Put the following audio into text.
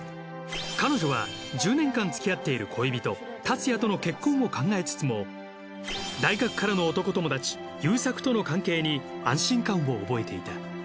彼女は１０年間つきあっている恋人達也との結婚を考えつつも大学からの男友達勇作との関係に安心感を覚えていた。